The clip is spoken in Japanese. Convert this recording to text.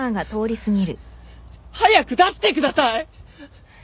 早く出してください！